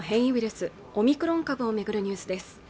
スオミクロン株を巡るニュースです